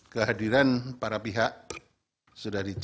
kehadiran para pihak sudah dijaga